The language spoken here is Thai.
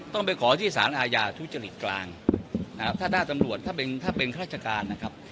ต้องไปขอที่สารอาญาทุจริตกลางถ้าเป็นตำรวจถ้าเป็นฆาตการนะครับ